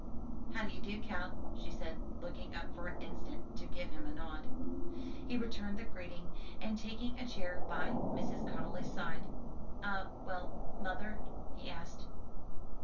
"How d'ye do, Cal?" she said, looking up for an instant to give him a nod. He returned the greeting, and taking a chair by Mrs. Conly's side, "All well, mother?" he asked.